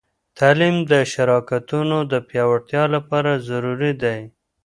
تعلیم د شراکتونو د پیاوړتیا لپاره ضروری دی.